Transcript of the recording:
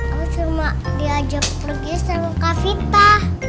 aku cuma diajak pergi sama kak vita